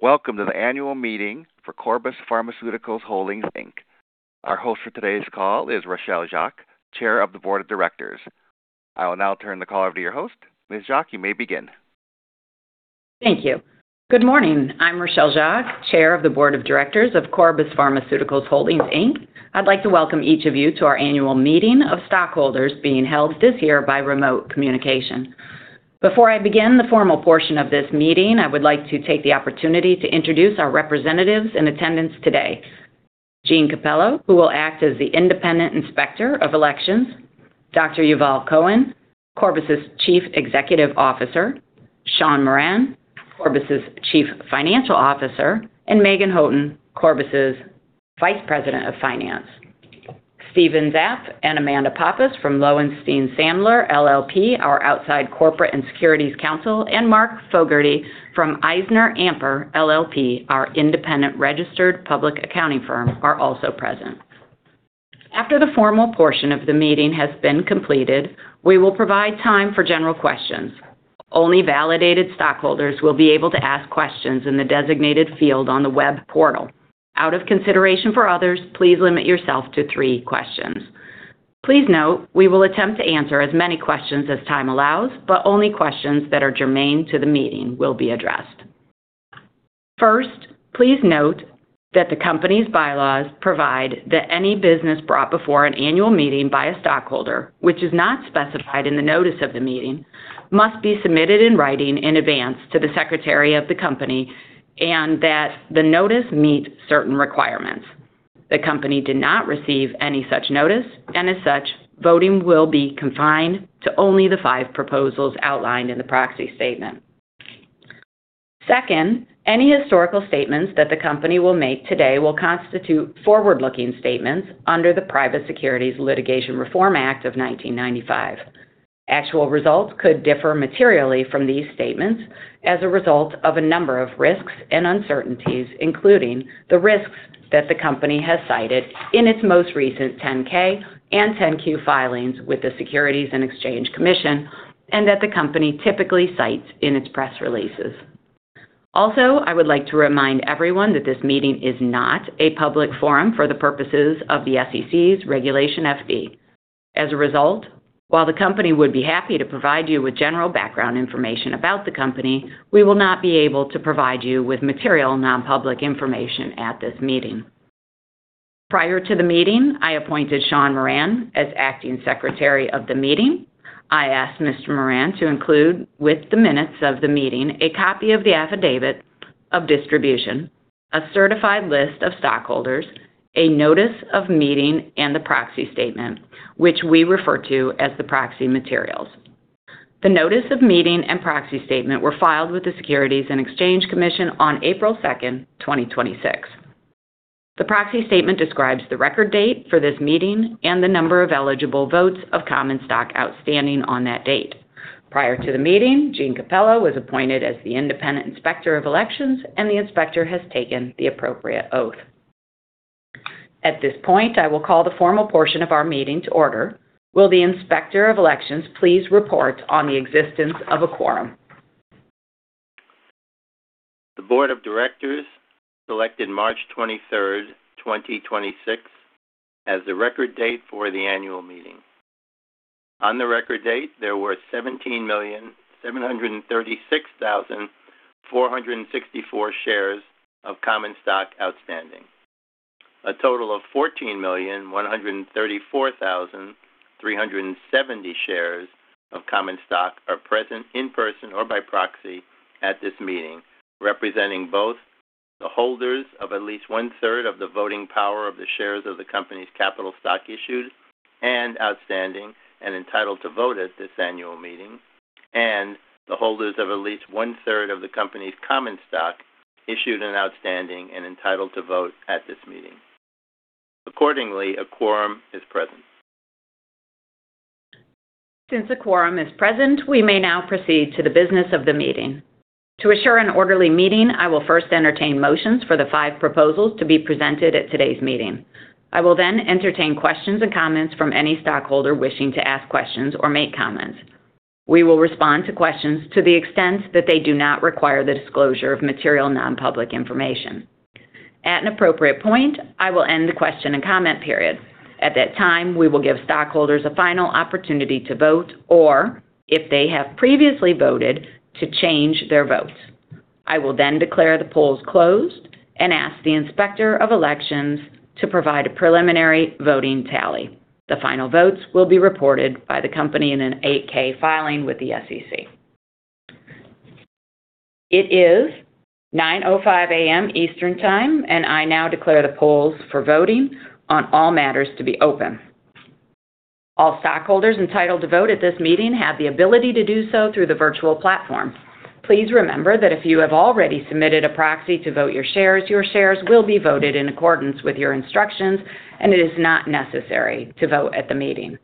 Welcome to the annual meeting for Corbus Pharmaceuticals Holdings, Inc. Our host for today's call is Rachelle Jacques, Chair of the Board of Directors. I will now turn the call over to your host. Ms. Jacques, you may begin. Thank you. Good morning. I'm Rachelle Jacques, Chair of the Board of Directors of Corbus Pharmaceuticals Holdings, Inc. I'd like to welcome each of you to our annual meeting of stockholders being held this year by remote communication. Before I begin the formal portion of this meeting, I would like to take the opportunity to introduce our representatives in attendance today. Gene Capello, who will act as the independent Inspector of Elections, Dr. Yuval Cohen, Corbus' Chief Executive Officer, Sean Moran, Corbus' Chief Financial Officer, and Meghan Houghton, Corbus' Vice President of Finance. Steven Zapp and Amanda Pappas from Lowenstein Sandler LLP, our outside corporate and securities counsel, and Marc Fogarty from EisnerAmper LLP, our independent registered public accounting firm, are also present. After the formal portion of the meeting has been completed, we will provide time for general questions. Only validated stockholders will be able to ask questions in the designated field on the web portal. Out of consideration for others, please limit yourself to three questions. Please note we will attempt to answer as many questions as time allows, but only questions that are germane to the meeting will be addressed. First, please note that the company's bylaws provide that any business brought before an annual meeting by a stockholder which is not specified in the notice of the meeting must be submitted in writing in advance to the secretary of the company and that the notice meet certain requirements. The company did not receive any such notice, and as such, voting will be confined to only the five proposals outlined in the proxy statement. Second, any historical statements that the company will make today will constitute forward-looking statements under the Private Securities Litigation Reform Act of 1995. Actual results could differ materially from these statements as a result of a number of risks and uncertainties, including the risks that the company has cited in its most recent 10-K and 10-Q filings with the Securities and Exchange Commission and that the company typically cites in its press releases. I would like to remind everyone that this meeting is not a public forum for the purposes of the SEC's Regulation FD. As a result, while the company would be happy to provide you with general background information about the company, we will not be able to provide you with material non-public information at this meeting. Prior to the meeting, I appointed Sean Moran as acting secretary of the meeting. I asked Mr. Moran to include with the minutes of the meeting a copy of the affidavit of distribution, a certified list of stockholders, a notice of meeting, and the proxy statement, which we refer to as the proxy materials. The notice of meeting and proxy statement were filed with the Securities and Exchange Commission on April second, 2026. The proxy statement describes the record date for this meeting and the number of eligible votes of common stock outstanding on that date. Prior to the meeting, Gene Capello was appointed as the independent inspector of elections, and the inspector has taken the appropriate oath. At this point, I will call the formal portion of our meeting to order. Will the inspector of elections please report on the existence of a quorum? The board of directors selected March 23rd, 2026 as the record date for the annual meeting. On the record date, there were 17,736,464 shares of common stock outstanding. A total of 14,134,370 shares of common stock are present in person or by proxy at this meeting, representing both the holders of at least one-third of the voting power of the shares of the company's capital stock issued and outstanding and entitled to vote at this annual meeting and the holders of at least 1/3 of the company's common stock issued and outstanding and entitled to vote at this meeting. Accordingly, a quorum is present. Since a quorum is present, we may now proceed to the business of the meeting. To assure an orderly meeting, I will first entertain motions for the five proposals to be presented at today's meeting. I will then entertain questions and comments from any stockholder wishing to ask questions or make comments. We will respond to questions to the extent that they do not require the disclosure of material non-public information. At an appropriate point, I will end the question and comment period. At that time, we will give stockholders a final opportunity to vote or, if they have previously voted, to change their votes. I will then declare the polls closed and ask the Inspector of Elections to provide a preliminary voting tally. The final votes will be reported by the company in an 8-K filing with the SEC. It is 9:05 A.M. Eastern Time. I now declare the polls for voting on all matters to be open. All stockholders entitled to vote at this meeting have the ability to do so through the virtual platform. Please remember that if you have already submitted a proxy to vote your shares, your shares will be voted in accordance with your instructions, and it is not necessary to vote at the meeting.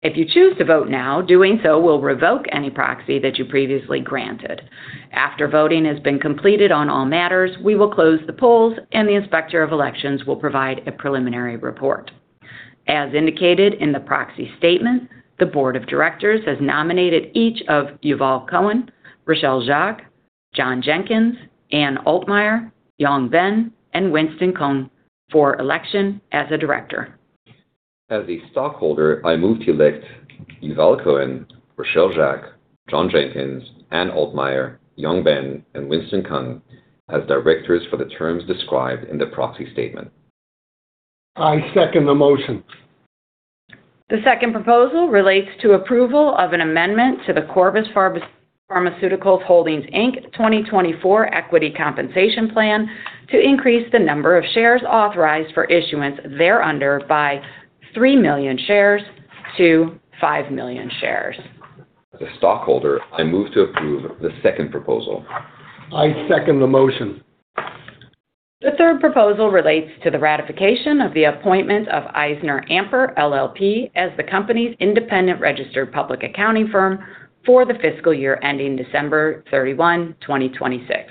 If you choose to vote now, doing so will revoke any proxy that you previously granted. After voting has been completed on all matters, we will close the polls, and the Inspector of Election will provide a preliminary report. As indicated in the proxy statement, the Board of Directors has nominated each of Yuval Cohen, Rachelle Jacques, John Jenkins, Anne Altmeyer, Yong Ben, and Winston Kung for election as a director. As a stockholder, I move to elect Yuval Cohen, Rachelle Jacques, John Jenkins, Anne Altmeyer, Yong Ben, and Winston Kung as directors for the terms described in the proxy statement. I second the motion. The second proposal relates to approval of an amendment to the Corbus Pharmaceuticals Holdings, Inc. 2024 Equity Compensation Plan to increase the number of shares authorized for issuance thereunder by 3 million shares to 5 million shares. As a stockholder, I move to approve the second proposal. I second the motion. The third proposal relates to the ratification of the appointment of EisnerAmper LLP as the company's independent registered public accounting firm for the fiscal year ending December 31, 2026.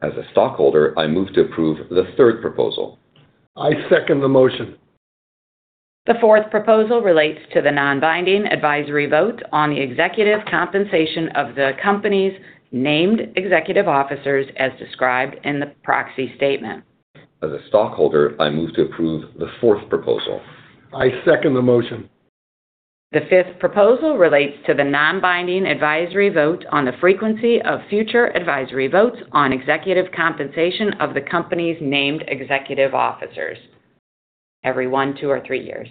As a stockholder, I move to approve the third proposal. I second the motion. The fourth proposal relates to the non-binding advisory vote on the executive compensation of the company's named executive officers as described in the proxy statement. As a stockholder, I move to approve the fourth proposal. I second the motion. The fifth proposal relates to the non-binding advisory vote on the frequency of future advisory votes on executive compensation of the company's named executive officers every one, two, or three years.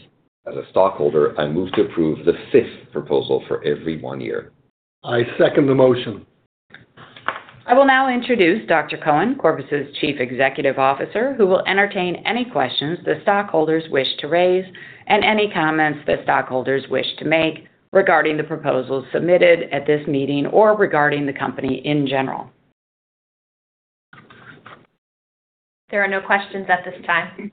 As a stockholder, I move to approve the fifth proposal for every one year. I second the motion. I will now introduce Dr. Cohen, Corbus' Chief Executive Officer, who will entertain any questions the stockholders wish to raise and any comments the stockholders wish to make regarding the proposals submitted at this meeting or regarding the company in general. There are no questions at this time.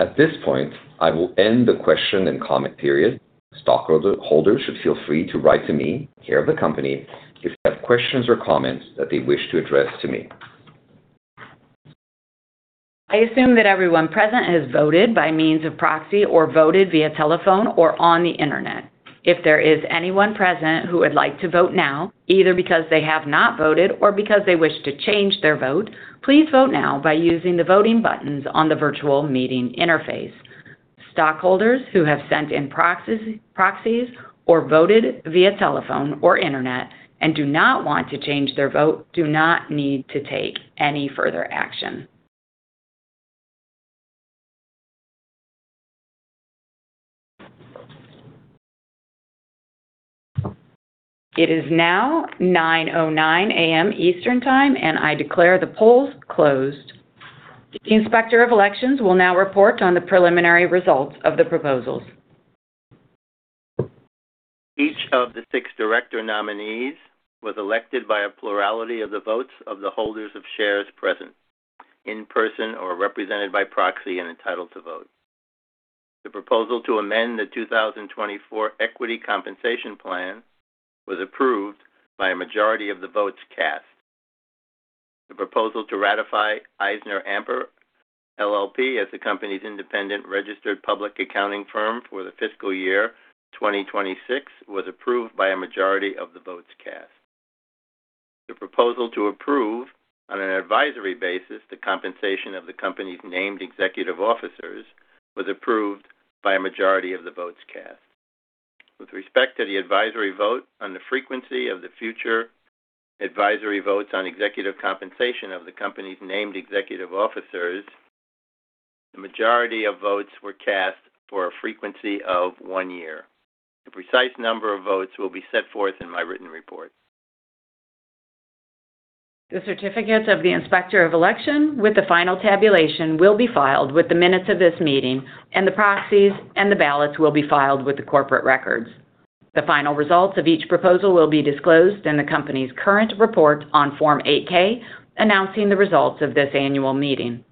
At this point, I will end the question and comment period. Stockholders should feel free to write to me, care of the company, if they have questions or comments that they wish to address to me. I assume that everyone present has voted by means of proxy or voted via telephone or on the Internet. If there is anyone present who would like to vote now, either because they have not voted or because they wish to change their vote, please vote now by using the voting buttons on the virtual meeting interface. Stockholders who have sent in proxies or voted via telephone or Internet and do not want to change their vote do not need to take any further action. It is now 9:00 A.M. Eastern Time, and I declare the polls closed. The Inspector of Elections will now report on the preliminary results of the proposals. Each of the six director nominees was elected by a plurality of the votes of the holders of shares present in person or represented by proxy and entitled to vote. The proposal to amend the 2024 Equity Compensation Plan was approved by a majority of the votes cast. The proposal to ratify EisnerAmper LLP as the company's independent registered public accounting firm for the fiscal year 2026 was approved by a majority of the votes cast. The proposal to approve on an advisory basis the compensation of the company's named executive officers was approved by a majority of the votes cast. With respect to the advisory vote on the frequency of the future advisory votes on executive compensation of the company's named executive officers, the majority of votes were cast for a frequency of one year. The precise number of votes will be set forth in my written report. The certificates of the Inspector of Election with the final tabulation will be filed with the minutes of this meeting and the proxies and the ballots will be filed with the corporate records. The final results of each proposal will be disclosed in the company's current report on Form 8-K announcing the results of this annual meeting,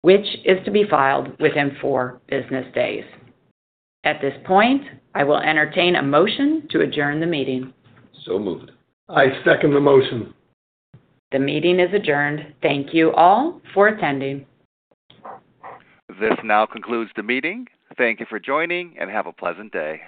which is to be filed within four business days. At this point, I will entertain a motion to adjourn the meeting. Moved. I second the motion. The meeting is adjourned. Thank you all for attending. This now concludes the meeting. Thank you for joining and have a pleasant day.